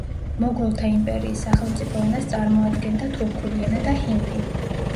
მოგოლთა იმპერიის სახელმწიფო ენას წარმოადგენდა თურქული ენა და ჰინდი.